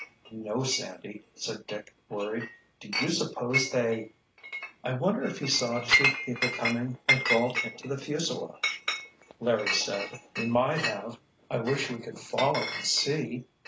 "No Sandy," said Dick, worried. "Do you suppose they?——" "I wonder if he saw two people coming and crawled into the fuselage," Larry said. "He might have. I wish we could follow and see."